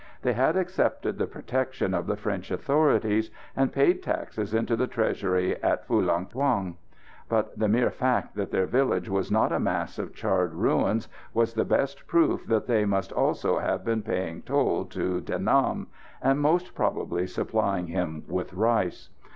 They had accepted the protection of the French authorities, and paid taxes into the treasury at Phulang Thuong; but the mere fact that their village was not a mass of charred ruins was the best proof that they must also have been paying toll to De Nam, and most probably supplying him with rice.